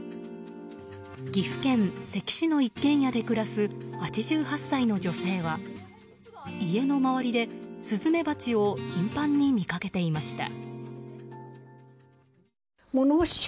岐阜県関市の一軒家で暮らす８８歳の女性は家の周りでスズメバチを頻繁に見かけていました。